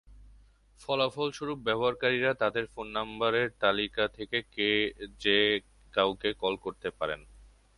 ফলাফলস্বরূপ ব্যবহারকারীরা তাদের ফোন নম্বরের তালিকা থেকে যে কাউকে কল করে পারেন।